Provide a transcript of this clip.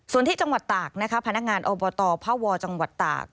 ส่วนที่จังหวัดตากนะคะพนักงานอบตพวจังหวัดตาก